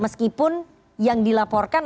meskipun yang dilaporkan